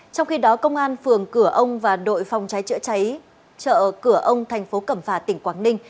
trong khi đó công an phường cửa ông và đội phòng cháy chữa cháy chợ cửa ông thành phố cẩm phả tỉnh quảng ninh